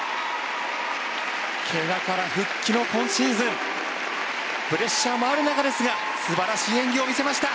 怪我から復帰の今シーズンプレッシャーもある中ですが素晴らしい演技を見せました。